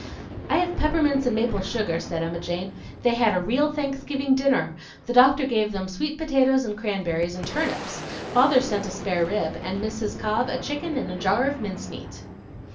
"I have peppermints and maple sugar," said Emma Jane. "They had a real Thanksgiving dinner; the doctor gave them sweet potatoes and cranberries and turnips; father sent a spare rib, and Mrs. Cobb a chicken and a jar of mince meat."